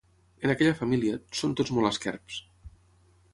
En aquella família, són tots molt esquerps.